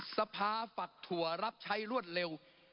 สภาฝักถั่วรับใช้รวดเร็ว